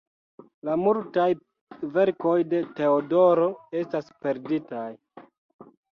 La multaj verkoj de Teodoro estas perditaj.